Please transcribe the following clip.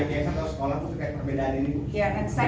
tapi itu kalau sekolah itu perbedaan ini bu